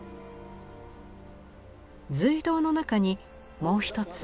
隧道の中にもう一つ